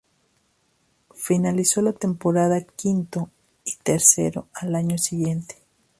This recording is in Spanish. Finalizó la temporada quinto, y tercero al año siguiente.